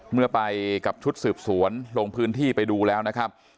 เมื่อไปกับชุดสืบสวนลงพื้นที่ไปดูแล้วนะครับ